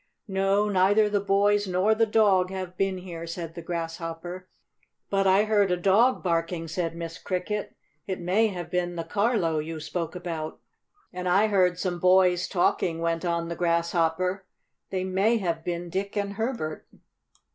"No, neither the boys nor the dog have been here," said the Grasshopper. "But I heard a dog barking," said Miss Cricket. "It may have been the Carlo you spoke about." "And I heard some boys talking," went on the Grasshopper. "They may have been Dick and Herbert.